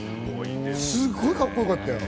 すごいカッコよかったよ。